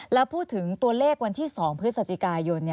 แล้วพูดถึงตัวเลขวันที่๒พฤศจิกายน